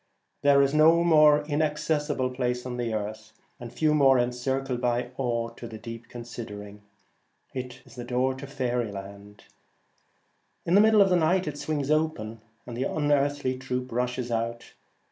There is no more inaccessible place upon the earth, and few more en circled by awe to the deep considering. It is the door of faery land. In the middle of night it swings open, and the unearthly troop rushes out.